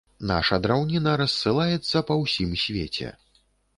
Наша драўніна рассылаецца па ўсім свеце.